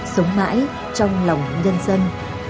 sống mãi trong lòng nhân dân